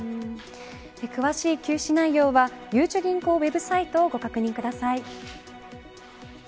詳しい休止内容はゆうちょ銀行ウェブサイトをご確認ください。